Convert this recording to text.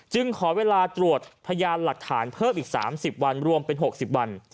ขอเวลาตรวจพยานหลักฐานเพิ่มอีก๓๐วันรวมเป็น๖๐วัน